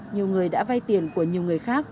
nhiều người đã vay tiền của nhiều người khác